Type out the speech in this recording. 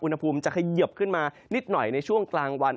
อุณหภูมิจะเขยิบขึ้นมานิดหน่อยในช่วงกลางวัน